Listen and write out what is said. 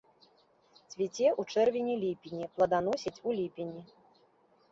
Цвіце ў чэрвені-ліпені, пладаносіць у ліпені.